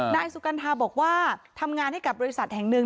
นายสุกัณฑาบอกว่าทำงานให้กับบริษัทแห่งหนึ่ง